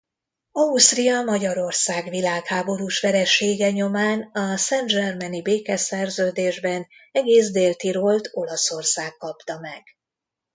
Ausztria–Magyarország világháborús veresége nyomán a saint-germaini békeszerződésben egész Dél-Tirolt Olaszország kapta meg.